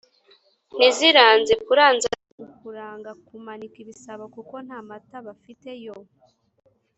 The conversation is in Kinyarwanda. ntiziranze: kuranza ni ukuranga (kumanika) ibisabo kuko nta mata bafite yo